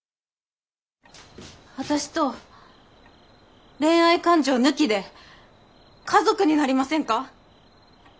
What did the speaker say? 私と恋愛感情抜きで家族になりませんか？